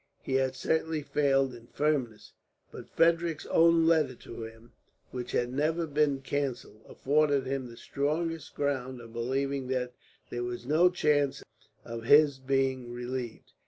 He had certainly failed in firmness, but Frederick's own letter to him, which had never been cancelled, afforded him the strongest ground of believing that there was no chance of his being relieved.